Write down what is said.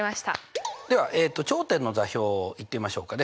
では頂点の座標を言ってみましょうかね。